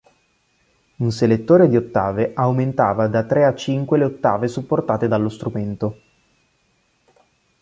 Un selettore di ottave aumentava da tre a cinque le ottave supportate dallo strumento.